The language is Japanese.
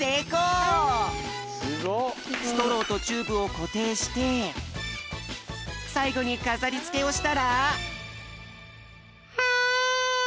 ストローとチューブをこていしてさいごにかざりつけをしたら。